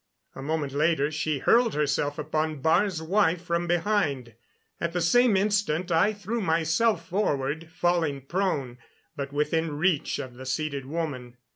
A moment later she hurled herself upon Baar's wife from behind. At the same instant I threw myself forward, falling prone, but within reach of the seated woman.